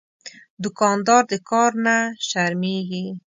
دوکاندار د کار نه شرمېږي.